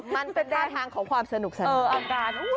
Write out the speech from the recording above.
มันเป็นแนวทางของความสนุกสนาน